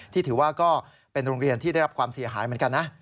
ที่ถือว่าก็เป็นโรงเรียนที่ได้รับความเสียหายเหมือนกันนะ